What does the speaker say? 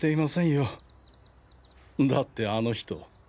よだってあの人。